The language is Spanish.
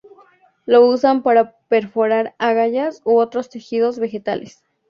Lo usan para perforar agallas u otros tejidos vegetales.